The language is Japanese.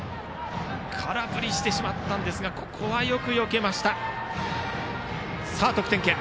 空振りしてしまったんですがここは、よくよけました。